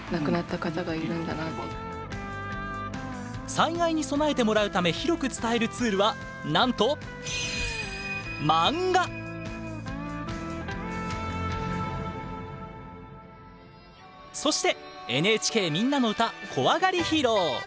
災害に備えてもらうため広く伝えるツールはなんとそして「ＮＨＫみんなのうた」